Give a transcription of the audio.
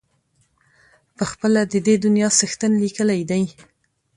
پخپله د دې دنیا څښتن لیکلی دی.